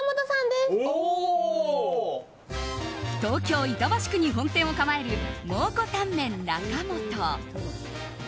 東京・板橋区に本店を構える蒙古タンメン中本。